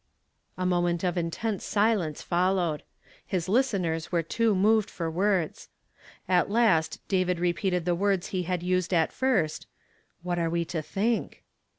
'' A moment of intense silence followed. His listeners were too moved for words. At last David repeated the words he had used at first, "What are w^e to think?"